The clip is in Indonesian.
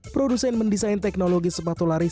produsen mendesain teknologi sepatu lari